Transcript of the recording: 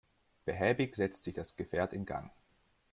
Behäbig setzt sich das Gefährt in Gang.